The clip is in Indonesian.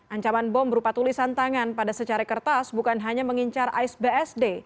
ancaman bom berupa tulisan tangan pada secara kertas bukan hanya mengincar aisbsd